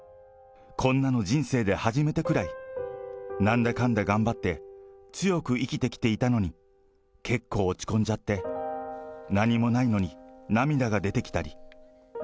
こんなの人生で初めてぐらい、なんだかんだ頑張って強く生きてきていたのに、結構落ち込んじゃって、何もないのに涙が出てきたり。